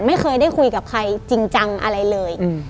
ไม่เคยได้คุยกับใครจริงจังอะไรเลย